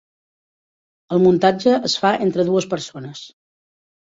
El muntatge es fa entre dues persones.